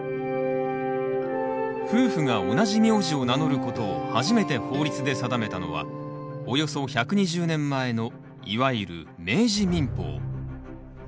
夫婦が同じ名字を名乗ることを初めて法律で定めたのはおよそ１２０年前のいわゆる明治民法。